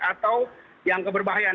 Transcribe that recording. atau yang keberbahayaan